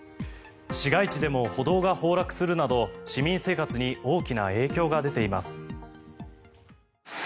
市街地でも歩道が崩落するなど市民生活に大きな影響が出ています。